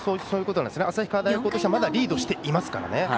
旭川大高としてはまだリードしていますからね。